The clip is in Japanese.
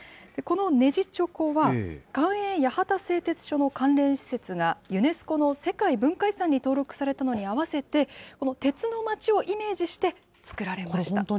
このネジチョコは、官営八幡製鐵所の関連施設が、ユネスコの世界文化遺産に登録されたのに合わせて、鉄のまちをイメージして、作られました。